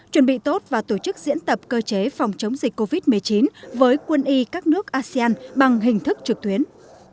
chuẩn bị tốt và tổ chức diễn tập cơ chế phòng chống dịch covid một mươi chín với quân y các nước asean bằng hình thức trực tuyến